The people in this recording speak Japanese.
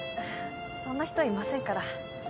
そんな人いませんから。